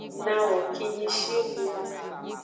Nawo kinyishinu.